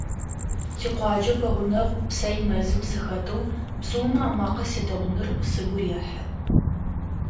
Тикъуаджэ пэгъунэгъу псэй мэзым сыхэтэу бзыумэ амакъэ седэӀуныр сыгу рехьы.